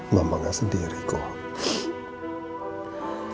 mama nggak sendiri kok